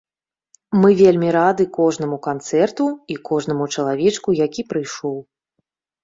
Мы вельмі рады кожнаму канцэрту і кожнаму чалавечку, які прыйшоў.